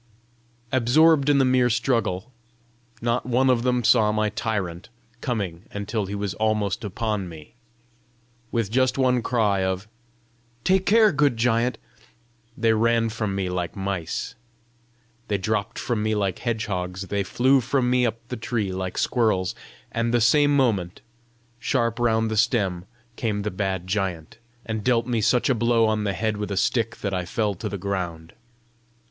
Absorbed in the merry struggle, not one of them saw my tyrant coming until he was almost upon me. With just one cry of "Take care, good giant!" they ran from me like mice, they dropped from me like hedgehogs, they flew from me up the tree like squirrels, and the same moment, sharp round the stem came the bad giant, and dealt me such a blow on the head with a stick that I fell to the ground.